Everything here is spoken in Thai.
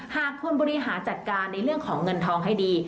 หากคนบริหารจัดการในเรื่องของเงินทองให้ดี